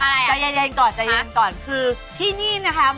ตามแอฟผู้ชมห้องน้ำด้านนอกกันเลยดีกว่าครับ